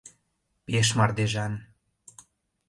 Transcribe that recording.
Пеш мардежан...